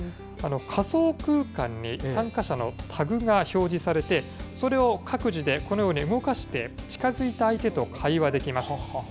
仮想空間に、参加者のタグが表示されて、それを各自でこのように動かして、近づいた相手と会話できます。